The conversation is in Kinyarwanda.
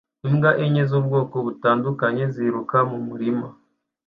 Imbwa enye z'ubwoko butandukanye ziruka mu murima